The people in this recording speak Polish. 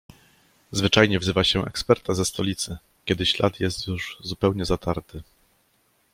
"Zwyczajnie wzywa się eksperta ze stolicy, kiedy ślad jest już zupełnie zatarty."